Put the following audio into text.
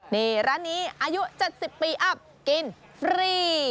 นี่ร้านนี้อายุ๗๐ปีอัพกินฟรี